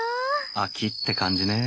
秋って感じねえ。